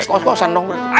eh kok sandong pak deh